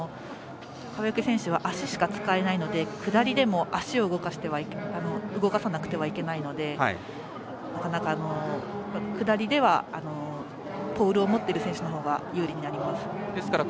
川除選手は足しか使えないので下りでも足を動かさなくてはいけないので下りではポールを持っている選手のほうが有利になります。